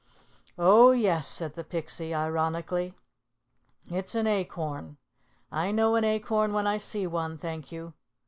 "Oh, yes," said the Pixie, ironically. "It's an acorn. I know an acorn when I see one, thank you.